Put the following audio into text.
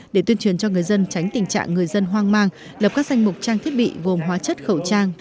để tuyên truyền cho người dân tránh tình trạng người dân hoang mang lập các danh mục trang thiết bị gồm hóa chất khẩu trang